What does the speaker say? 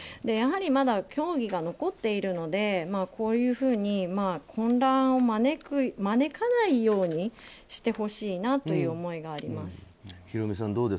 やはりまだ競技が残っているのでこういうふうに混乱を招かないようにしてほしいなという思いがあります。